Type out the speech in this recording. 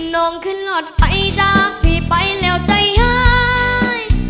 น้องขึ้นรถไปจ้ะพี่ไปแล้วใจหาย